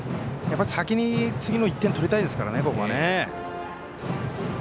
やっぱり先に次の１点を取りたいですからね。